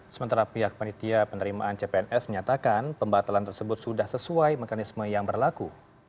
sementara pihak penitia penerimaan cpns menyatakan pembatalan tersebut sudah sesuai mekanisme yang berlaku